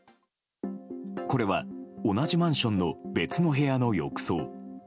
これは、同じマンションの別の部屋の浴槽。